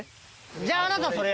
じゃああなたそれ。